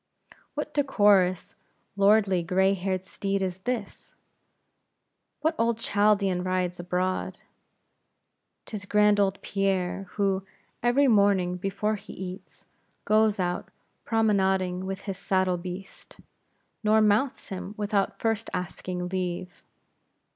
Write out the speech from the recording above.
What decorous, lordly, gray haired steed is this? What old Chaldean rides abroad? 'Tis grand old Pierre; who, every morning before he eats, goes out promenading with his saddle beast; nor mounts him, without first asking leave.